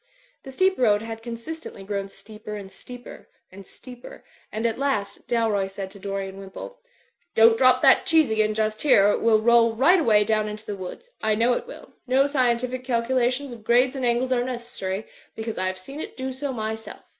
The steep road had consistently grown steeper and steeper; and steeper; and at last, Dalroy said to Dorian Wimpole, "Don't drop that cheese again just here, or it will roll right away down into the woods. I know it will. No scientific calculations of grades and angles are necessary; because I have seen it do so myself.